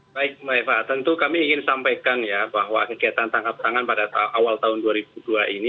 baik mbak eva tentu kami ingin sampaikan ya bahwa kegiatan tangkap tangan pada awal tahun dua ribu dua ini